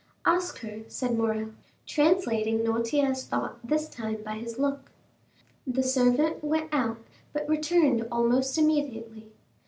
"Ask her," said Morrel, translating Noirtier's thought this time by his look. The servant went out, but returned almost immediately.